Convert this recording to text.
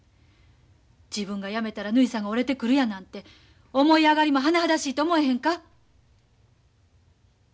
自分がやめたらぬひさんが折れてくるやなんて思い上がりも甚だしいと思わへんか？